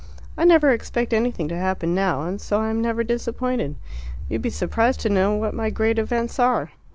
I never expect anything to happen now, and so I am never disappointed. You would be surprised to know what my great events are.